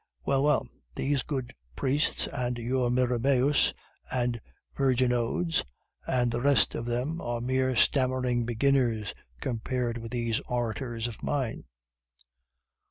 Well, well; these good priests and your Mirabeaus and Vergniauds and the rest of them, are mere stammering beginners compared with these orators of mine.